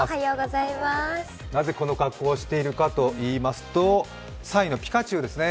なぜこの格好をしているかというと３位のピカチュウですね。